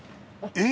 えっ！